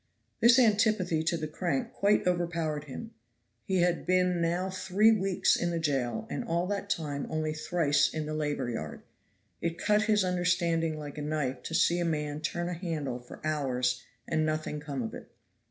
This antipathy to the crank quite overpowered him. He had been now three weeks in the jail, and all that time only thrice in the labor yard. It cut his understanding like a knife to see a man turn a handle for hours and nothing come of it.